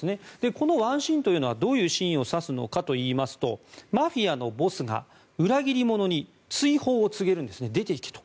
このワンシーンというのはどういうシーンを指すのかといいますとマフィアのボスが、裏切り者に追放を告げるんですね出ていけと。